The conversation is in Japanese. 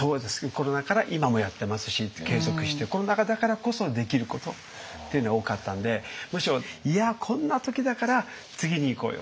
コロナ禍から今もやってますし継続してコロナ禍だからこそできることっていうのが多かったんでむしろ「いやこんな時だから次にいこうよ」とか。